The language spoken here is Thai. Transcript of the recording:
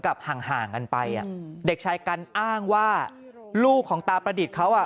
ห่างห่างกันไปอ่ะเด็กชายกันอ้างว่าลูกของตาประดิษฐ์เขาอ่ะ